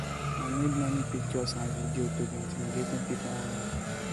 Hutus and most Congolese were released unharmed.